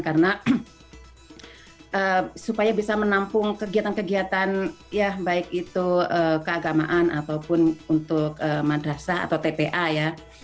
karena supaya bisa menampung kegiatan kegiatan ya baik itu keagamaan ataupun untuk madrasah atau tpa ya